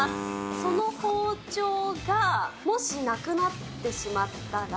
その包丁がもしなくなってしまったら。